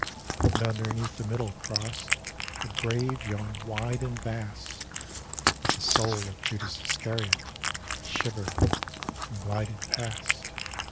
And underneath the middle Cross A grave yawned wide and vast, But the soul of Judas Iscariot Shivered and glided past.